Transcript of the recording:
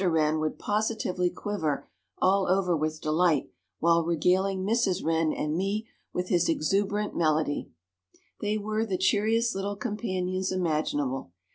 Wren would positively quiver all over with delight, while regaling Mrs. Wren and me with his exuberant melody. They were the cheeriest little companions imaginable.